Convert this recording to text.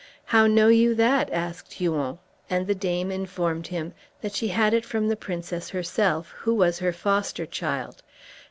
"How know you that?" asked Huon; and the dame informed him that she had it from the princess herself, who was her foster child.